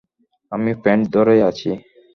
আমি প্যান্ট ধরে আছি!